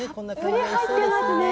たっぷり入ってますね。